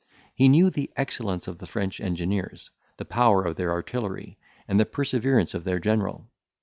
He knew the excellence of the French engineers, the power of their artillery, and the perseverance of their general.